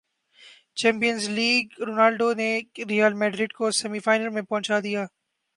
champions league Ronaldo نے Real Madrid کوسیمی final میں پہنچادیا